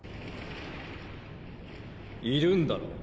いるんだろ？